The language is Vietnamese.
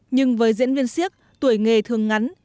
nhưng với diễn viên siếc tuổi nghề thường ngắn